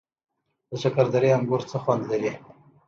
د شکردرې انګور څه خوند لري؟